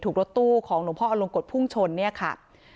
รถตู้ของหลวงพ่ออลงกฎพุ่งชนเนี่ยค่ะ